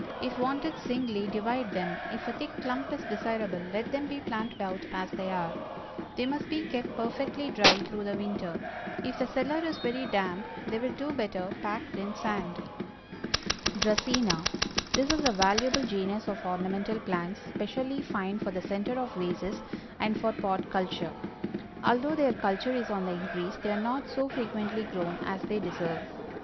If wanted singly, divide them, if a thick clump is desirable let them be planted out as they are. They must be kept perfectly dry through the winter; if the cellar is very damp they will do better packed in sand. DRACÆNA. This is a valuable genus of ornamental plants, specially fine for the center of vases, and for pot culture. Although their culture is on the increase, they are not so frequently grown as they deserve.